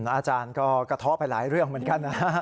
อาจารย์ก็กระเทาะไปหลายเรื่องเหมือนกันนะฮะ